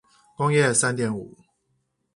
工業三點五